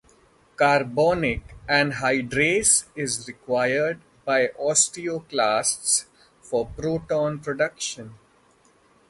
Carbonic anhydrase is required by osteoclasts for proton production.